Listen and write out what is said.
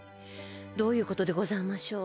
どういうことでござましょ。